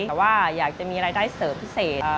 แต่ว่าอยากจะมีรายได้เสริมพิเศษ